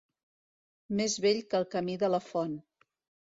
Més vell que el camí de la font.